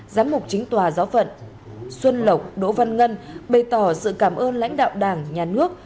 giám mục chính tòa giáo phận xuân lộc đỗ văn ngân bày tỏ sự cảm ơn lãnh đạo đảng nhà nước